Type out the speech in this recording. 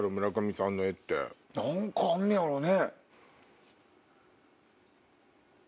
何かあんねやろうね。